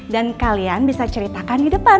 dan kalian bisa ceritakan di depan